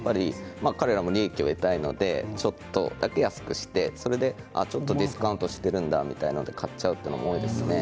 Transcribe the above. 彼らも利益を得たいのでちょっとだけ安くしてそれでちょっとディスカウントしているんだみたいなことで買ってしまうことですね。